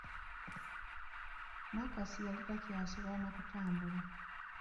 Nakasi yali takyasobola na kutambula.